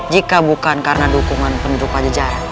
jika bukan karena dukungan penduduk pajajaran